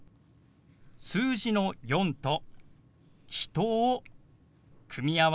数字の「４」と「人」を組み合わせて